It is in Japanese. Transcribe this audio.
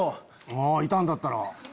ああいたんだったら。